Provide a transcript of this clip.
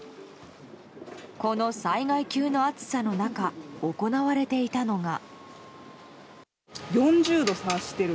この災害級の暑さの中行われていたのが。